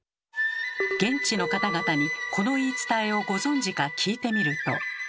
現地の方々にこの言い伝えをご存じか聞いてみると。